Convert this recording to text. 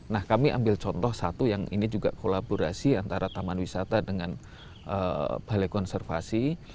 nah kami ambil contoh satu yang ini juga kolaborasi antara taman wisata dengan balai konservasi